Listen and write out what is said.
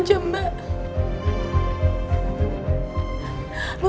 sampai ketemu lagi